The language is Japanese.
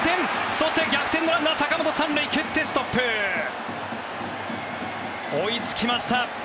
そして逆転のランナー、坂本は３塁を蹴ってストップ追いつきました。